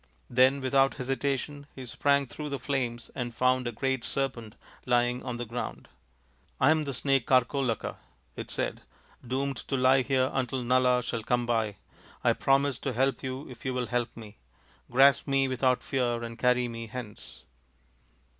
Then without hesitation he sprang through the flames and found a great serpent lying on the ground. " I am the snake Karkolaka," it said, " doomed to lie here until Nala shall come by. I promise to help you if you will help me. Grasp me without fear and carry me hence.